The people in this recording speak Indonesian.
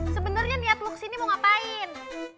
sebenernya niat lo kesini mau ngapain